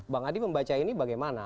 bang adi membaca ini bagaimana